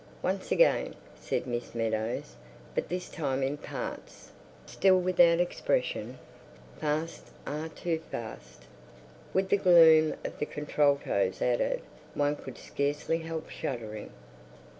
"Once again," said Miss Meadows. "But this time in parts. Still without expression." Fast! Ah, too Fast. With the gloom of the contraltos added, one could scarcely help shuddering.